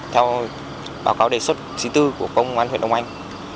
theo báo cáo đề xuất xí tư của công an huyện đông anh